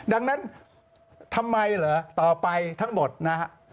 ดังนั้นทำไมเหรอต่อไปทั้งหมดนะฮะ